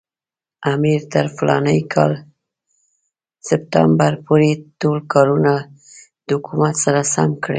امیر تر فلاني کال تر سپټمبر پورې ټول کارونه د حکومت سره سم کړي.